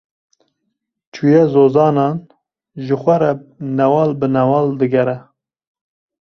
Çûye zozanan, ji xwe re newal bi newal digere.